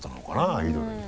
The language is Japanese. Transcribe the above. アイドルに。